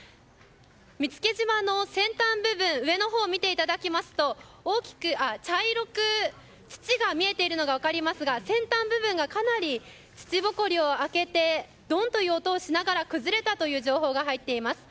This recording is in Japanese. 見附島の先端部分上のほうを見ていただくと茶色く、土が見えているのが分かりますが先端部分がかなり土ぼこりを上げてドンという音をしながら崩れたという情報が入っています。